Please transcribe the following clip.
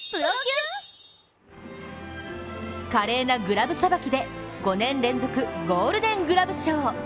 華麗なグラブさばきで、５年連続ゴールデングラブ賞。